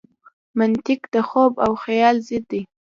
منطق د خوب او خیال ضد دی.